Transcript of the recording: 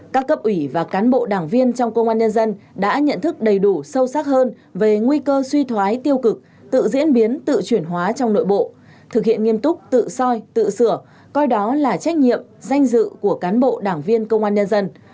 các cấp ủy và cán bộ đảng viên trong công an nhân dân đã nhận thức đầy đủ sâu sắc hơn về nguy cơ suy thoái tiêu cực tự diễn biến tự chuyển hóa trong nội bộ thực hiện nghiêm túc tự soi tự sửa coi đó là trách nhiệm danh dự của cán bộ đảng viên công an nhân dân